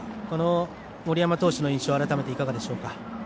この森山投手の印象は改めていかがでしょうか。